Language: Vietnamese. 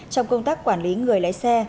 trong công tác quản lý người lái xe